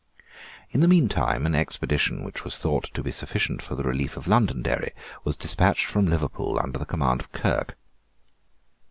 In the meantime an expedition which was thought to be sufficient for the relief of Londonderry was despatched from Liverpool under the command of Kirke.